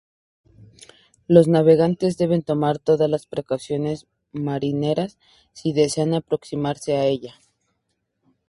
Los navegantes deben tomar todas las precauciones marineras si desean aproximarse a ella.